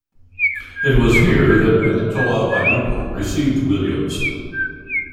It was here that Malietoa Vaiinupo received Williams.